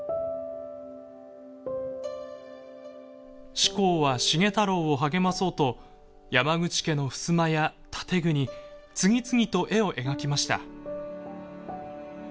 志功は繁太郎を励まそうと山口家のふすまや建具に次々と絵を描きました。